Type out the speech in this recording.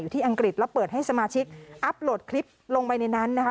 ที่อังกฤษแล้วเปิดให้สมาชิกอัพโหลดคลิปลงไปในนั้นนะคะ